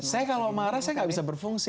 saya kalau marah saya nggak bisa berfungsi